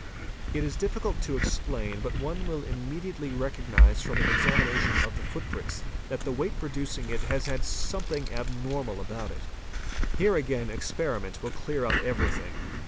It is difficult to explain, but one will immediately recognise from an examination of the footprint that the weight producing it has had something abnormal about it. Here again experiment will clear up everything.